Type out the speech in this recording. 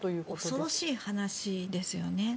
恐ろしい話ですよね。